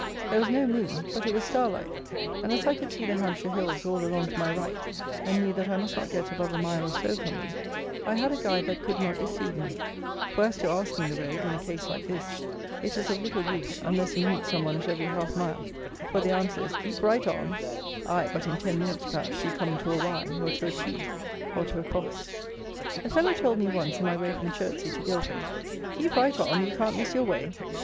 There was no moon; but it was starlight, and, as I could see the Hampshire Hills all along to my right, and knew that I must not get above a mile or so from them, I had a guide that could not deceive me; for, as to asking the road, in a case like this, it is of little use, unless you meet some one at every half mile: for the answer is, keep right on; aye, but in ten minutes, perhaps, you come to a Y, or to a T, or to a +. A fellow told me once, in my way from Chertsey to Guildford, "Keep right on, you can't miss your way."